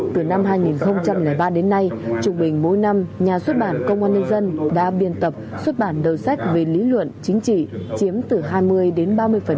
từ năm hai nghìn ba đến nay trung bình mỗi năm nhà xuất bản công an nhân dân đã biên tập xuất bản đầu sách về lý luận chính trị chiếm từ hai mươi đến ba mươi